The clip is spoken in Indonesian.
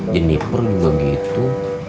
jeniper juga gitu